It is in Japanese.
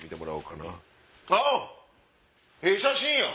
ええ写真やん！